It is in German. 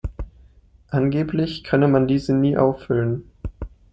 Angeblich könne man diese nie auffüllen.